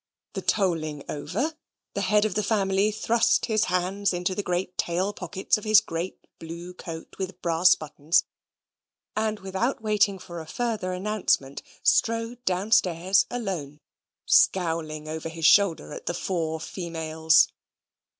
The tolling over, the head of the family thrust his hands into the great tail pockets of his great blue coat with brass buttons, and without waiting for a further announcement strode downstairs alone, scowling over his shoulder at the four females.